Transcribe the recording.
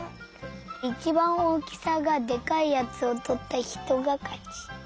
いちばんおおきさがでかいやつをとったひとがかち。